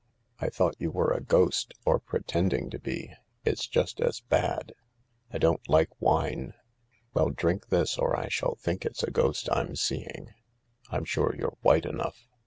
" I thought you were a ghost — or pretending to be ; it's just as bad. I don't like wine." " Well, drink this, or I shall think it's a ghost I'm seeing. I'm sure you're white enough.